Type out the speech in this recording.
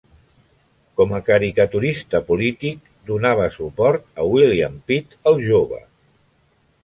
Com a caricaturista polític donava suport a William Pitt "El Jove".